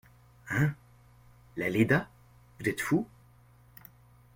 Hein !… la Léda ?… vous êtes fou !